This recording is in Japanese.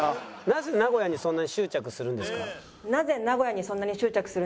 なぜ名古屋にそんなに執着するんですか？